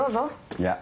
いや。